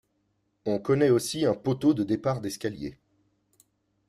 On connaît aussi un poteau de départ d'escalier.